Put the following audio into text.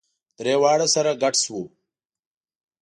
درې واړه سره ګډ شوو.